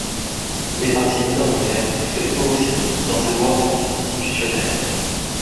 Les partis minoritaires poussaient eux aussi dans cette voie anticonstitutionnelle.